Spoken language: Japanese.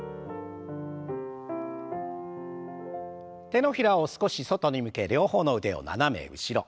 手のひらを少し外に向け両方の腕を斜め後ろ。